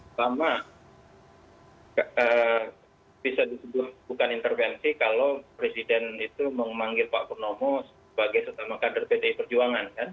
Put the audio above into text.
pertama bisa disebut bukan intervensi kalau presiden itu memanggil pak purnomo sebagai setama kader pdi perjuangan